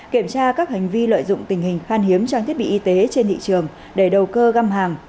kiểm tra các hành vi lợi dụng tình hình khan hiếm trang thiết bị y tế trên thị trường để đầu cơ găm hàng